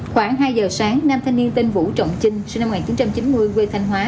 khoảng hai giờ sáng nam thanh niên tên vũ trọng chinh sinh năm một nghìn chín trăm chín mươi quê thanh hóa